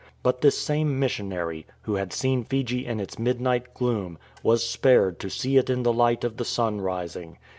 But this same missionary, who had seen Fiji in its midnight gloom, was spared to see it in the light of the sun rising.